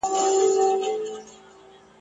که بیرغ د احمدشاه دی که شمشېر د خوشحال خان دی ..